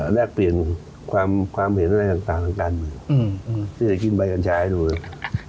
แลกเปลี่ยนความเห็นต่างของการเมื่อที่จะกินใบกันชายให้ดู